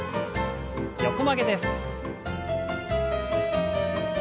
横曲げです。